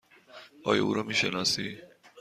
آیا او را می شناسی؟